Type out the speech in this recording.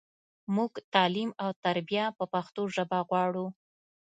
مونږ تعلیم او تربیه په پښتو ژبه غواړو